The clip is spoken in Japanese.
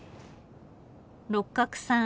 六角さん